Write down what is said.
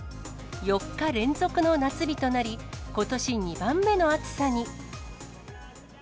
４日連続の夏日となり、ことし２番目の暑さに。